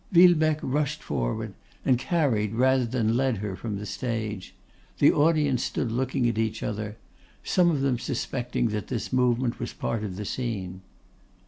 Villebecque rushed forward, and carried, rather than led, her from the stage; the audience looking at each other, some of them suspecting that this movement was a part of the scene.